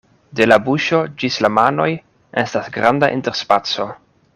De la buŝo ĝis la manoj estas granda interspaco.